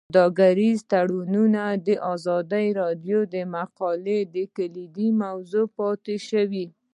سوداګریز تړونونه د ازادي راډیو د مقالو کلیدي موضوع پاتې شوی.